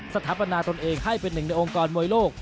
สถาปนาตนเองให้เป็นหนึ่งในองค์กรมวยโลก